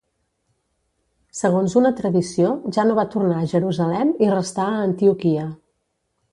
Segons una tradició, ja no va tornar a Jerusalem i restà a Antioquia.